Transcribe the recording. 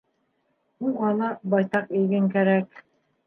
Уға ла байтаҡ иген кәрәк.